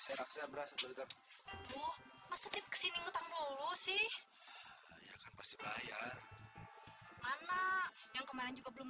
serak serak berasa terlalu sedih ke sini ngetang dulu sih pasti bayar mana yang kemarin juga belum